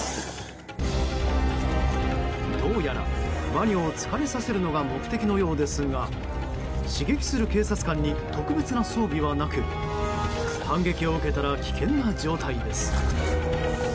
どうやら、ワニを疲れさせるのが目的のようですが刺激する警察官に特別な装備はなく反撃を受けたら危険な状態です。